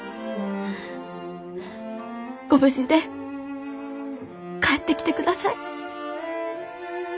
ご無事で帰ってきてください。